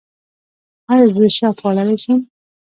ایا زه شات خوړلی شم؟